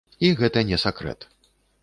І гэта не сакрэт.